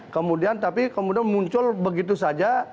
kemudian tapi kemudian muncul begitu saja